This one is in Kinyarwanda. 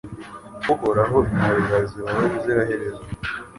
Uhoraho impuhwe zawe zihoraho ubuziraherezo